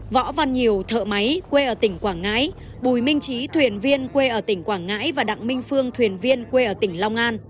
võ văn nhiều thợ máy quê ở tỉnh quảng ngãi bùi minh trí thuyền viên quê ở tỉnh quảng ngãi và đặng minh phương thuyền viên quê ở tỉnh long an